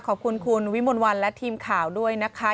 ขอบคุณคุณวิมลวันและทีมข่าวด้วยนะคะ